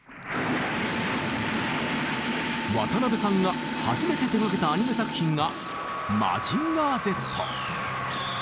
渡辺さんが初めて手がけたアニメ作品が「マジンガーＺ」。